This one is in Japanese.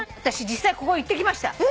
私実際ここ行ってきました。